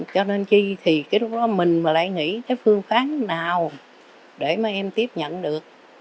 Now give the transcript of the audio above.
cho nên khi thì cái lúc đó mình mà lại nghĩ cái phương phán nào để mà em tiếp nhận được